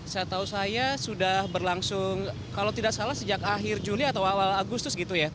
saya tahu saya sudah berlangsung kalau tidak salah sejak akhir juli atau awal agustus gitu ya